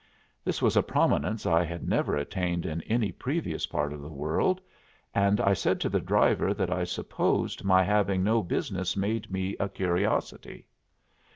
This was a prominence I had never attained in any previous part of the world, and I said to the driver that I supposed my having no business made me a curiosity.